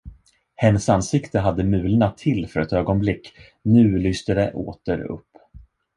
Hennes ansikte hade mulnat till för ett ögonblick, nu lyste det åter upp.